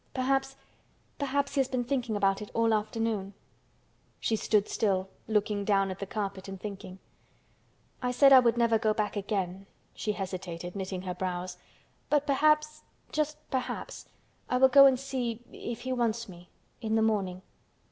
Perhaps—perhaps he has been thinking about it all afternoon." She stood still, looking down at the carpet and thinking. "I said I would never go back again—" she hesitated, knitting her brows—"but perhaps, just perhaps, I will go and see—if he wants me—in the morning.